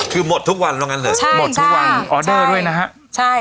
คือหมดทุกวันแล้วงั้นเหรอใช่หมดทุกวันออเดอร์ด้วยนะฮะใช่